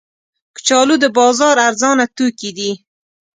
کچالو د بازار ارزانه توکي دي